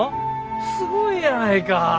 すごいやないか。